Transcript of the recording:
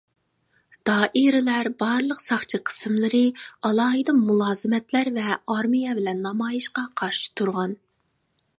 دائىرىلەر بارلىق ساقچى قىسىملىرى ، ئالاھىدە مۇلازىمەتلەر ۋە ئارمىيە بىلەن نامايىشقا قارشى تۇرغان .